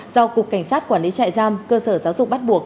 do cục cảnh sát quản lý trại giam cơ sở giáo dục bắt buộc